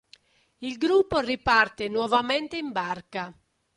Il gruppo riparte nuovamente in barca.